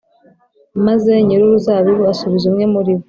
maze nyir’uruzabibu asubiza umwe muri bo